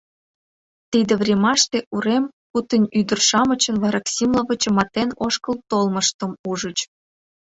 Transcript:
Тиде времаште урем кутынь ӱдыр-шамычын вараксимла вычыматен ошкыл толмыштым ужыч.